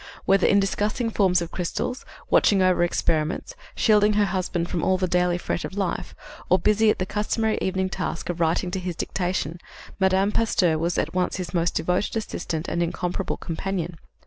Whether in discussing forms of crystals, watching over experiments, shielding her husband from all the daily fret of life, or busy at the customary evening task of writing to his dictation, Madame Pasteur was at once his most devoted assistant and incomparable companion.